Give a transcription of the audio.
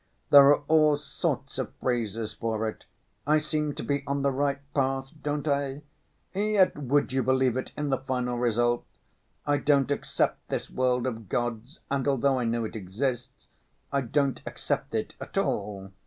There are all sorts of phrases for it. I seem to be on the right path, don't I? Yet would you believe it, in the final result I don't accept this world of God's, and, although I know it exists, I don't accept it at all.